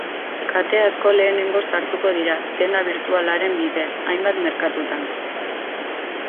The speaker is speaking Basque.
Kate asko lehenengoz sartuko dira, denda birtualaren bidez, hainbat merkatutan.